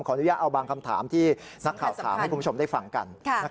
อนุญาตเอาบางคำถามที่นักข่าวถามให้คุณผู้ชมได้ฟังกัน